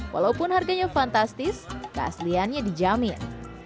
walaupun harganya fantastis keasliannya dijamin